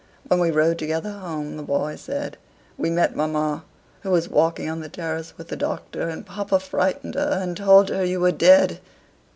When we rode together home, the boy said: "We met mamma, who was walking on the terrace with the doctor, and papa frightened her, and told her you were dead